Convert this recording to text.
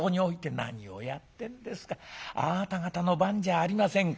あなた方の番じゃありませんか。